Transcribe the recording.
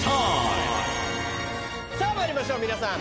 さあまいりましょう皆さん。